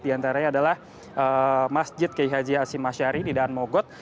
diantaranya adalah masjid kehazi asimasyari di daan mogot